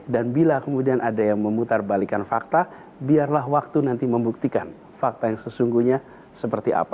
dan bila kemudian ada yang memutarbalikan fakta biarlah waktu nanti membuktikan fakta yang sesungguhnya seperti apa